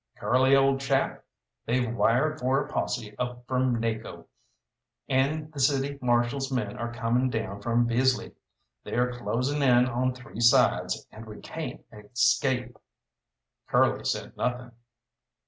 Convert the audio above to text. "Curly, old chap, they've wired for a posse up from Naco, and the City Marshal's men are coming down from Bisley. They're closing in on three sides, and we can't escape." Curly said nothing.